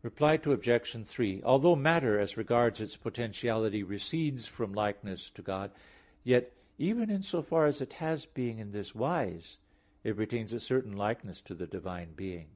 Reply Obj. 3: Although matter as regards its potentiality recedes from likeness to God, yet, even in so far as it has being in this wise, it retains a certain likeness to the divine being.